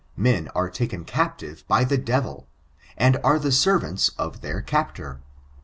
Men are taken captive by the devil, and are the servants of their captor.